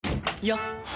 よっ！